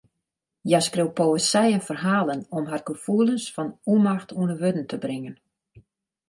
Hja skriuwt poëzy en ferhalen om har gefoelens fan ûnmacht ûnder wurden te bringen.